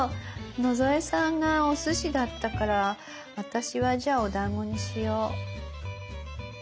野添さんがおすしだったから私はじゃあおだんごにしよう。